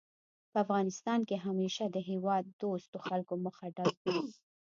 په افغانستان کې همېشه د هېواد دوستو خلکو مخه ډب وي